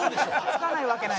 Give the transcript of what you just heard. つかないわけない。